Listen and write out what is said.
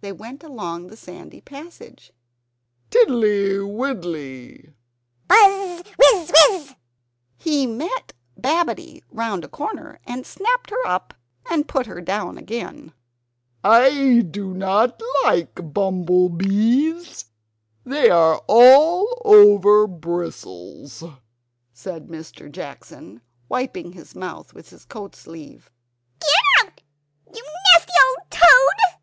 They went along the sandy passage "Tiddly, widdly " "Buzz! Wizz! Wizz!" He met Babbitty round a corner, and snapped her up, and put her down again. "I do not like bumble bees. They are all over bristles," said Mr. Jackson, wiping his mouth with his coat sleeve. "Get out, you nasty old toad!"